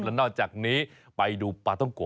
แล้วนอกจากนี้ไปดูปลาต้องโกะ